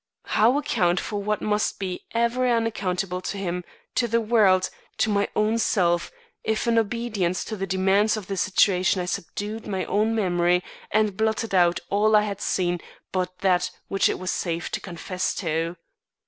How account for what must be ever unaccountable to him, to the world, to my own self, if in obedience to the demands of the situation I subdued my own memory and blotted out all I had seen but that which it was safe to confess to?